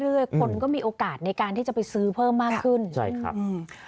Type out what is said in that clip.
คนก็มีโอกาสในการที่จะไปซื้อเพิ่มมากขึ้นใช่ครับอืม